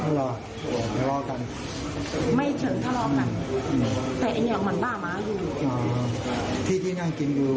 มีกันแล้วมีก็น้องขายเขาแค่สองคนหละสองคนใช่